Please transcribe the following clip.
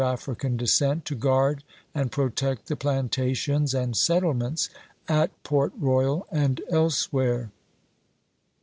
^ African descent to guard and protect the planta 1862. "w. k tions and settlements at Port Royal and elsewhere, p 377.